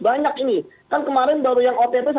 banyak ini kan kemarin baru yang ott